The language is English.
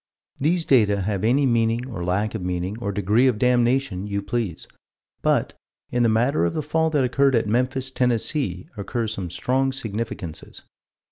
These data have any meaning or lack of meaning or degree of damnation you please: but, in the matter of the fall that occurred at Memphis, Tennessee, occur some strong significances.